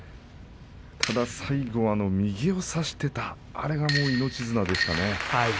最後は右を差していたあれが命綱でしたね。